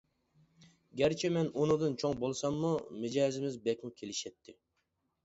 گەرچە مەن ئۇنىڭدىن چوڭ بولساممۇ، مىجەزىمىز بەكمۇ كېلىشەتتى.